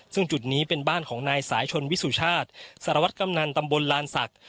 ซึ่งจุดนี้เป็นบ้านของนายสายชนวิสุชาติสารวัตรกำนันตำบลลานศักดิ์